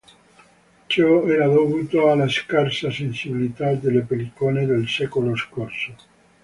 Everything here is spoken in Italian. Ciò era dovuto alla scarsa sensibilità delle pellicole del secolo scorso.